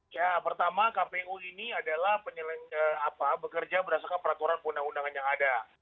ya pertama kpu ini adalah penyelenggara bekerja berdasarkan peraturan undang undangan yang ada